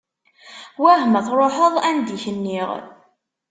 Wah ma truḥeḍ anda i k-nniɣ?